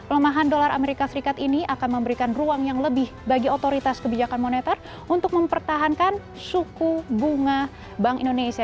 lemahan dolar amerika serikat ini akan memberikan ruang yang lebih bagi otoritas kebijakan moneter untuk mempertahankan suku bunga bank indonesia